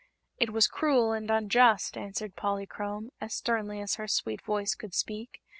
"It was cruel and unjust," answered Polychrome, as sternly as her sweet voice could speak.